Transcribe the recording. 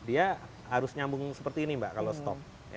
dia harus nyambung seperti ini mbak kalau stop